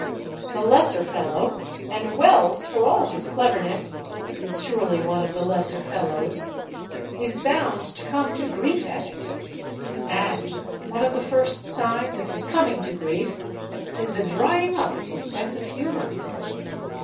The lesser fellow—and Wells, for all his cleverness, is surely one of the lesser fellows—is bound to come to grief at it, and one of the first signs of his coming to grief is the drying up of his sense of humor.